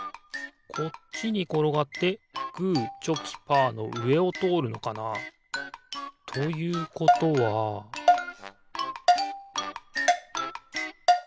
こっちにころがってグーチョキパーのうえをとおるのかな？ということはピッ！